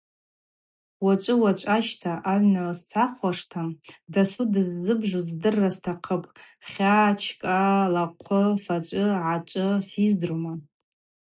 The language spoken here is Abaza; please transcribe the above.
Уачӏв-уачӏващта агӏвна сцахуаштӏта – дасу дыззыбжу здырра стахъыпӏ: хьа, джькӏа, лахъвы, фачӏвы-гачӏвы – сиздрума.